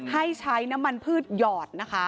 ให้ใช้น้ำมันพืชหยอดนะคะ